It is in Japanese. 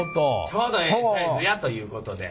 ちょうどええサイズやということで。